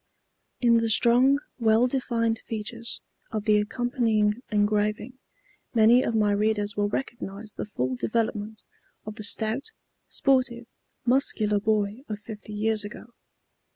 In the strong, well defined features of the accompanying engraving many of my readers will recognize the full development of the stout, sportive, muscular boy of fifty years ago.